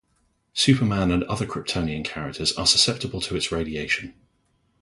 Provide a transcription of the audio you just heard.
Superman and other Kryptonian characters are susceptible to its radiation.